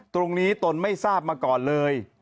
ตรงนี้ตนไม่ทราบมาก่อนเลย